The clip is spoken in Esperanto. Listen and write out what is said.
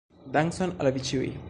Dankon al Vi Ĉiuj!